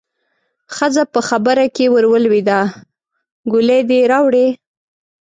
ښځه په خبره کې ورولوېده: ګولۍ دې راوړې؟